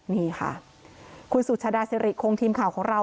นี่ค่ะคุณสุชาดาสิริคงทีมข่าวของเรา